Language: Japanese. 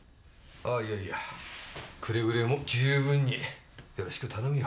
いやいやくれぐれも十分によろしく頼むよ。